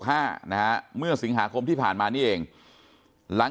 คุณยายบอกว่ารู้สึกเหมือนใครมายืนอยู่ข้างหลัง